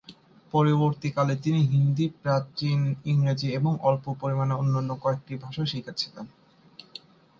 পরবর্তীকালে তিনি হিন্দি, প্রাচীন ইংরেজি এবং অল্প পরিমানে অন্যান্য কয়েকটি ভাষা শিখেছিলেন।